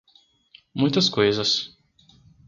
Muitas coisas